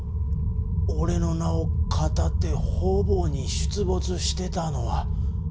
俺の名をかたって方々に出没してたのは。